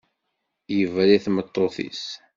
Yebra i tmeṭṭut-is.